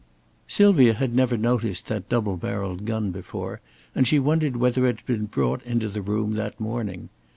Sylvia had never noticed that double barreled gun before; and she wondered whether it had been brought into the room that morning.